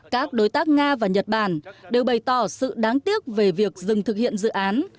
các đối tác nga và nhật bản đều bày tỏ sự đáng tiếc về việc dừng thực hiện dự án